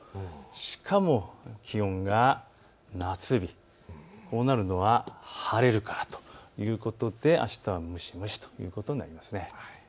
しかも気温が夏日、こうなるのは晴れるからということであしたは蒸し蒸しということになります。